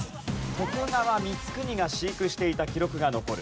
徳川光圀が飼育していた記録が残る。